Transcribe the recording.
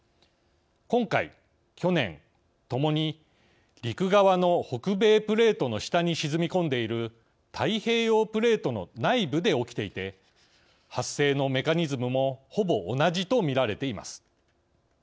今回去年ともに陸側の北米プレートの下に沈み込んでいる太平洋プレートの内部で起きていて発生のメカニズムもほぼ同じとみられています。